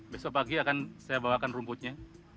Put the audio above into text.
besok pagi akan saya bawakan rumputnya